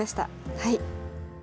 はい。